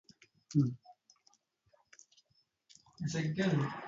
اللغة العربية أغنى لغات العالم.